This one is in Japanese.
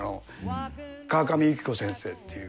川上ゆきこ先生っていう。